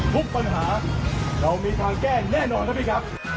ทุกปัญหาเรามีทางแก้แน่นอนนะพี่ครับ